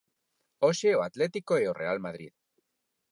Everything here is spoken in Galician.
Hoxe o Atlético e o Real Madrid.